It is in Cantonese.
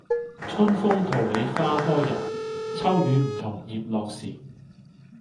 春風桃李花開日，秋雨梧桐葉落時。